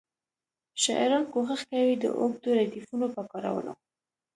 شاعران کوښښ کوي د اوږدو ردیفونو په کارولو.